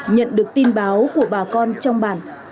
nhận được tin báo của bà con trong bản